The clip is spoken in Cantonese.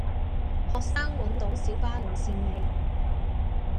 學生搵到小巴路線未